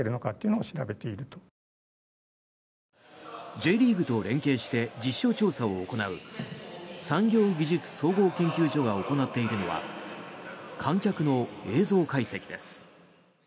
Ｊリーグと連携して実証調査を行う産業技術総合研究所が行っているのは観客の映像解析です。